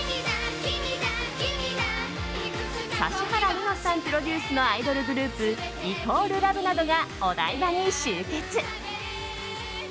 指原莉乃さんプロデュースのアイドルグループ＝ＬＯＶＥなどが、お台場に集結。